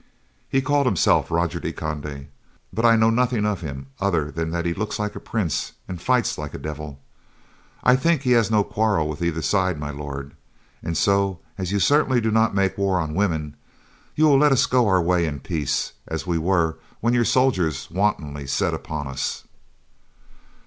He called himself Roger de Conde, but I know nothing of him other than that he looks like a prince, and fights like a devil. I think he has no quarrel with either side, My Lord, and so, as you certainly do not make war on women, you will let us go our way in peace as we were when your soldiers wantonly set upon us."